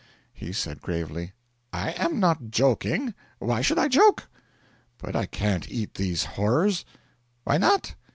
He said gravely: 'I am not joking; why should I joke?' 'But I can't eat these horrors.' 'Why not?'